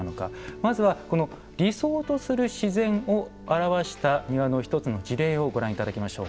まずはこの理想とする自然を表した庭の一つの事例をご覧頂きましょう。